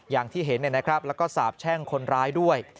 อย่างที่เห็นแล้วก็สาบแช่งคนร้ายด้วย